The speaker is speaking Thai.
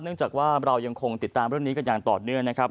จากว่าเรายังคงติดตามเรื่องนี้กันอย่างต่อเนื่องนะครับ